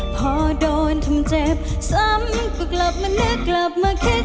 พอโดนทำเจ็บซ้ำก็กลับมานึกกลับมาคิด